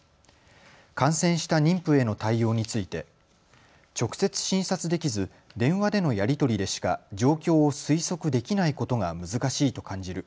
感染した妊婦への対応について直接診察できず電話でのやり取りでしか状況を推測できないことが難しいと感じる。